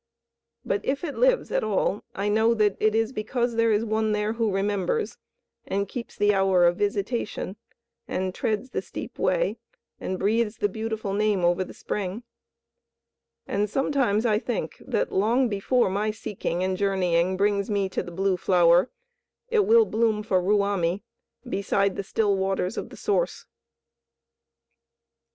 But if it lives at all, I know that it is because there is one there who remembers, and keeps the hour of visitation, and treads the steep way, and breathes the beautiful name over the spring, and sometimes I think that long before my seeking and journeying brings me to the Blue Flower, it will bloom for Ruamie beside the still waters of the Source.